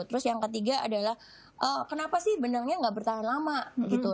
terus yang ketiga adalah kenapa sih benangnya nggak bertahan lama gitu